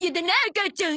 母ちゃん。